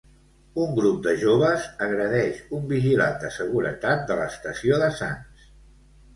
Un grup de joves agredeix un vigilant de seguretat de l'estació de Sants.